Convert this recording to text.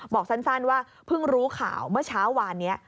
บอกสั้นว่าเพิ่งรู้ข่าวเมื่อเช้าวานนี้